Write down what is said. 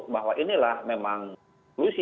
bahwa inilah memang solusi